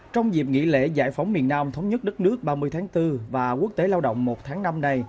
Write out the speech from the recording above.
trong dịp nghỉ lễ giải phóng miền nam thống nhất đất nước ba mươi tháng bốn và quốc tế lao động một tháng năm này